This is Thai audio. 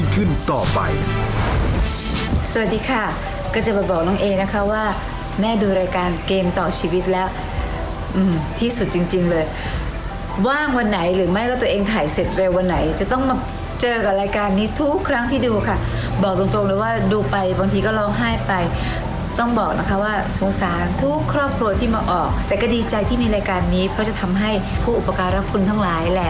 สวัสดีค่ะก็จะมาบอกน้องเอนะคะว่าแม่ดูรายการเกมต่อชีวิตแล้วที่สุดจริงจริงเลยว่างวันไหนหรือไม่ว่าตัวเองถ่ายเสร็จเร็ววันไหนจะต้องมาเจอกับรายการนี้ทุกครั้งที่ดูค่ะบอกตรงตรงเลยว่าดูไปบางทีก็ร้องไห้ไปต้องบอกนะคะว่าสงสารทุกครอบครัวที่มาออกแต่ก็ดีใจที่มีรายการนี้เพราะจะทำให้ผู้อุปการรักคุณทั้งหลายแหละ